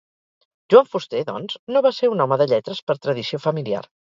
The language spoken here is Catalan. Joan Fuster, doncs, no va ser un home de lletres per tradició familiar.